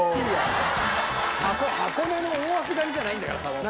箱根の大涌谷じゃないんだからさ。